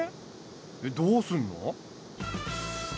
えっどうすんの？